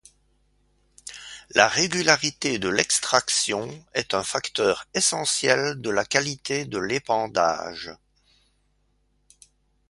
La régularité de l'extraction est un facteur essentiel de la qualité de l'épandage.